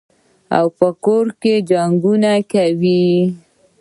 په کور کي جنګونه کوي.